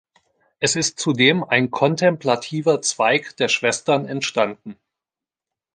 Es ist zudem ein kontemplativer Zweig der Schwestern entstanden.